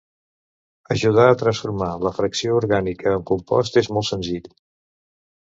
Ajudar a transformar la fracció orgànica en compost és molt senzill.